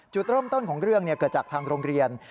จุดเริ่มต้นของเรื่องเกิดจากทางโรงเรียน